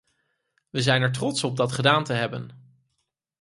Wij zijn er trots op dat gedaan te hebben.